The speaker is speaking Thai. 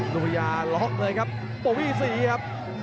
ลุงวิทยาล็อคเลยครับประวีสี่ครับ